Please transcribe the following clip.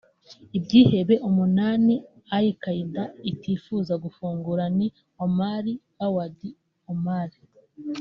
Ibyihebe umunani Al-Qaida itifuzaga gufungura ni Omar Awadh Omar